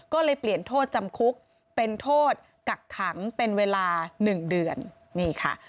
ก็เลยเปลี่ยนโทษจำคุกเป็นโทษกักขังเป็นเวลา๑เดือนนี่ค่ะ